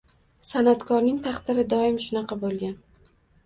San’atkorning takdiri doim shunday bo‘lgan